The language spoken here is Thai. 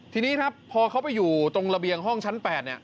ทีนี้ครับพอเขาไปอยู่ตรงระเบียงห้องชั้น๘เนี่ย